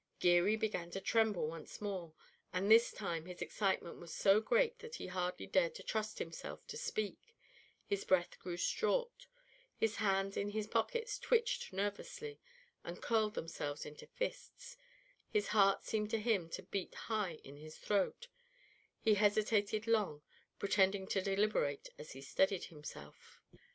Geary began to tremble once more, and this time his excitement was so great that he hardly dared to trust himself to speak; his breath grew short, his hands in his pockets twitched nervously, and curled themselves into fists, his heart seemed to him to beat high in his throat; he hesitated long, pretending to deliberate as he steadied himself.